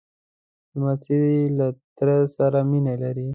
لمسی له تره سره مینه لري.